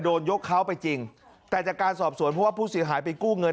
โดนยกเขาไปจริงแต่จากการสอบสวนเพราะว่าผู้เสียหายไปกู้เงิน